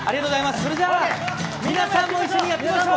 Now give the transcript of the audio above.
それじゃ、皆さんも一緒にやってみましょう！